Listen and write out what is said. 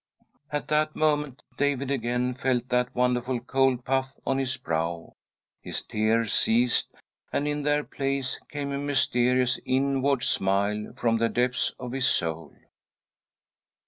At that moment David again felt that wonderful cold puff on his brow. His tears ceased, and in their place .came a mysterious inward smile from the depths of his soul.